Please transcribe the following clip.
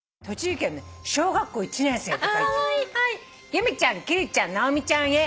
「由美ちゃん貴理ちゃん直美ちゃんへ」